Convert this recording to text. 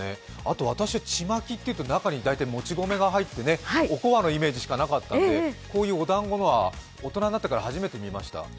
私は、ちまきというと、中に大体、餅米が入っておこわのイメージしかなかったので、こういうお団子のは大人になってから初めて見ました。